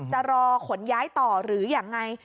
จะรอขนย้ายต่อหรือยังไง